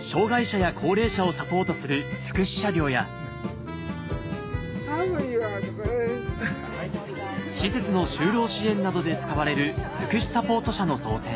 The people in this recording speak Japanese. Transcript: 障がい者や高齢者をサポートする福祉車両や施設の就労支援などで使われる福祉サポート車の贈呈